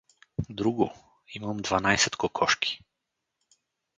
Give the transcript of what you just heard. — Друго, имам дванайсет кокошки.